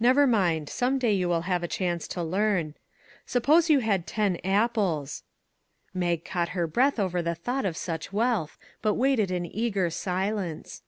Never mind, some day you will have a chance to learn. Suppose you had ten apples." Mag caught her breath over the thought of such wealth, but waited in eager silence.